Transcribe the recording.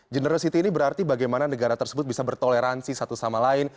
genera city ini berarti bagaimana negara tersebut bisa bertoleransi satu sama lain